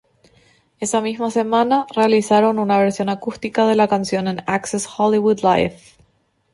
Esa misma semana, realizaron una versión acústica de la canción en Access Hollywood Live.